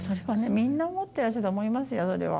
みんな、思ってると思いますよ、それは。